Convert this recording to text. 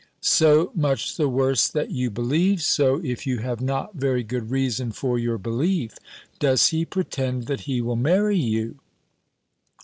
"So much the worse that you believe so, if you have not very good reason for your belief. Does he pretend that he will marry you?"